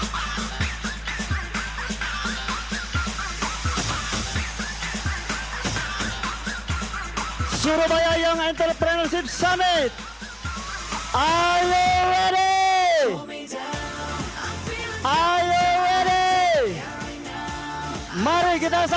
milenial itu juga kepo kepo itu adalah kreatif